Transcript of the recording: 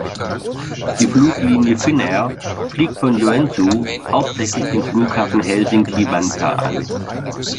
Die Fluglinie Finnair fliegt von Joensuu hauptsächlich den Flughafen Helsinki-Vantaa an.